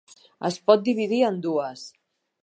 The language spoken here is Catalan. Es pot dividir en dues.